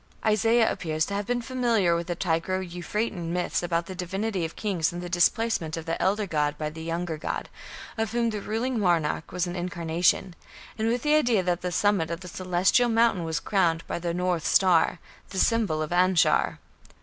Isaiah appears to have been familiar with the Tigro Euphratean myths about the divinity of kings and the displacement of the elder god by the younger god, of whom the ruling monarch was an incarnation, and with the idea that the summit of the Celestial mountain was crowned by the "north star", the symbol of Anshar.